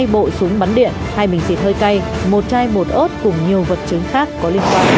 hai bộ súng bắn điện hai bình xịt hơi cay một chai bột ớt cùng nhiều vật chế